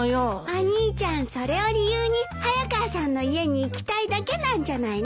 お兄ちゃんそれを理由に早川さんの家に行きたいだけなんじゃないの？